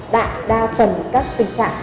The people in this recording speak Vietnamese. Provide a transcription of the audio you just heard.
đại đa phần các tình trạng